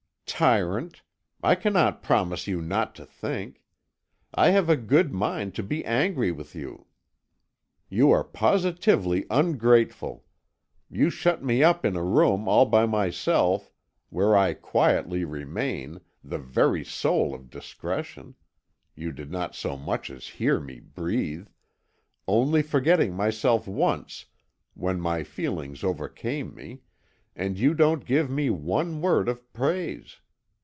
"Tyrant! I cannot promise you not to think. I have a good mind to be angry with you. You are positively ungrateful. You shut me up in a room all by myself, where I quietly remain, the very soul of discretion you did not so much as hear me breathe only forgetting myself once when my feelings overcame me, and you don't give me one word of praise.